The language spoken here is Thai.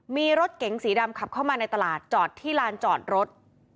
มีรถเก๋งสีดำขับเข้ามาในตลาดจอดที่ลานจอดรถ